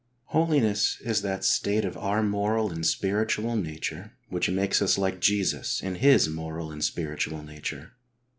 H oliness is that state of our moral and spiritual nature which makes us like Jesus in His moral and spiritual nature.